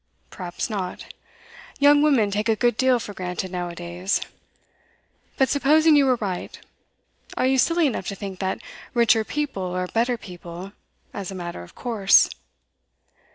'Perhaps not. Young women take a good deal for granted now a days. But supposing you were right, are you silly enough to think that richer people are better people, as a matter of course?